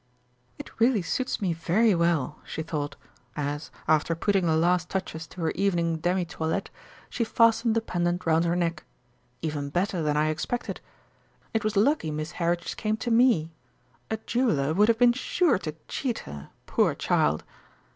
"It really suits me very well," she thought, as, after putting the last touches to her evening demi toilette, she fastened the pendant round her neck. "Even better than I expected. It was lucky Miss Heritage came to me. A jeweller would have been sure to cheat her, poor child!"